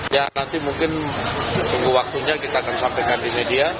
ya nanti mungkin tunggu waktunya kita akan sampaikan di media